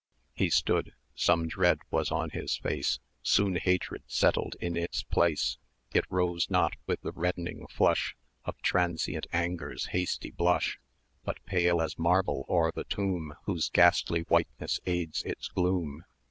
He stood some dread was on his face, Soon Hatred settled in its place: It rose not with the reddening flush Of transient Anger's hasty blush,[cy] But pale as marble o'er the tomb, Whose ghastly whiteness aids its gloom.